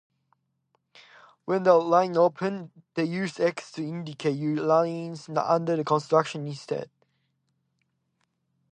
When the line opened, they used X to indicate lines under construction instead.